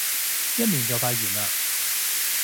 一年就快完嘞